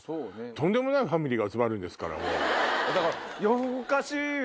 とんでもないファミリーが集まるんですから。